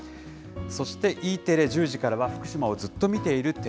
そしてＥテレ１０時からは、福島をずっと見ているＴＶ。